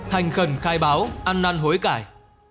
thành khẩn khai báo ăn năn hối cải